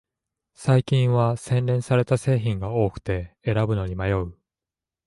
最近は洗練された製品が多くて選ぶのに迷う